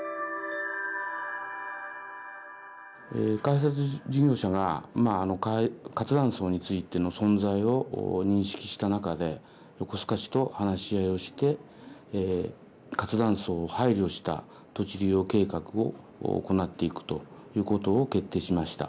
開発事業者が活断層についての存在を認識した中で横須賀市と話し合いをして活断層を配慮した土地利用計画を行っていくということを決定しました。